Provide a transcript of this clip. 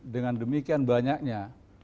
dengan demikian banyaknya